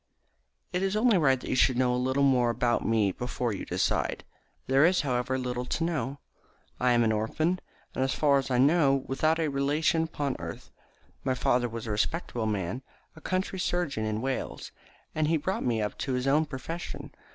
"It is only right that you should know a little more about me before you decide. There is, however, little to know. I am an orphan, and, as far as I know, without a relation upon earth. My father was a respectable man, a country surgeon in Wales, and he brought me up to his own profession.